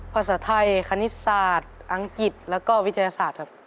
ภาษาไทยคณิตศาสตร์อังกฤษแล้วก็วิทยาศาสตร์ครับ